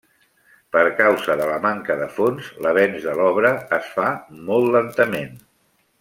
Per causa de la manca de fons, l'avenç de l'obra es fa molt lentament.